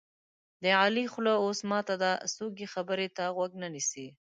د علي خوله اوس ماته ده څوک یې خبرې ته غوږ نه نیسي.